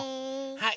はい。